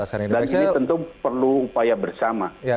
dan ini tentu perlu upaya bersama